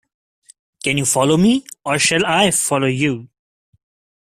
Can you follow me or shall I follow you?